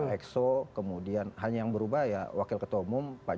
exo kemudian hanya yang berubah ya wakil ketua umum pak joko riono digantikan